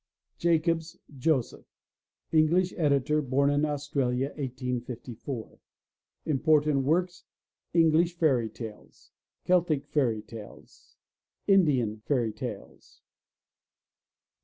JACOBS, JOSEPH (English editor, born in Australia, 1854 ) Important Works: English Fairy Tales. Celtic Fairy Tales. Indian Fairy Tales.